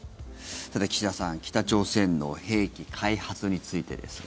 岸田さん、北朝鮮の兵器開発についてですが。